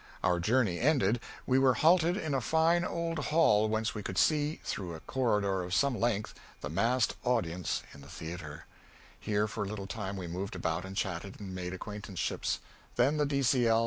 Our journey ended, we were halted in a fine old hall whence we could see, through a corridor of some length, the massed audience in the theatre. Here for a little time we moved about and chatted and made acquaintanceships; then the D.C.L.'